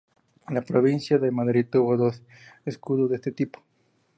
La provincia de Madrid tuvo dos escudos de este tipo.